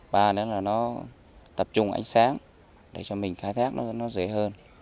ba nữa là nó tập trung ánh sáng để cho mình khai thác nó dễ hơn